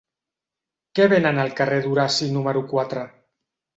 Què venen al carrer d'Horaci número quatre?